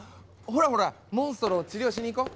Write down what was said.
ほらモンストロを治療しに行こう！